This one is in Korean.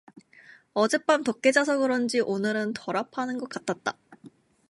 어젯밤 덥게 자서 그런지 오늘은 덜 아파하는 것 같았다.